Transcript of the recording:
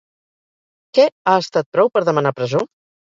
Què ha estat prou per demanar presó?